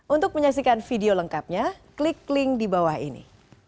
untuk menyaksikan video lengkapnya klik link di bawah ini